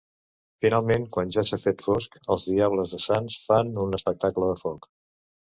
Finalment, quan ja s'ha fet fosc, els Diables de Sants fan un espectacle de foc.